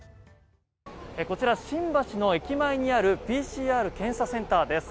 こちら、新橋の駅前にあるＰＣＲ検査センターです。